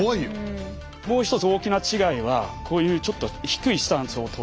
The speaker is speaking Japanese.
もう一つ大きな違いはこういうちょっと低いスタンスをとるということですよね。